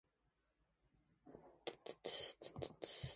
Aside from the guitar, countless other noise making devices have been used.